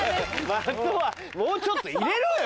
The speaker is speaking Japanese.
松尾はもうちょっと入れろよ！